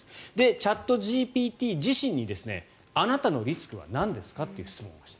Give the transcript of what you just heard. チャットＧＰＴ自身にあなたのリスクはなんですかという質問をした。